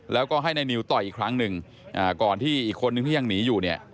แล้วก็ให้นายนิวต่อยอีกครั้งหนึ่งก่อนที่อีกคนนึงที่ยังหนีอยู่เนี่ย